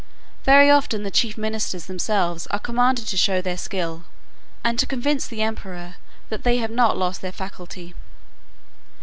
Very often the chief ministers themselves are commanded to show their skill, and to convince the emperor that they have not lost their faculty.